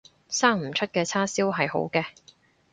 生唔出嘅叉燒係好嘅